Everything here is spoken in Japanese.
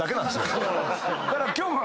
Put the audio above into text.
だから今日も。